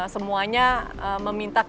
semuanya meminta krips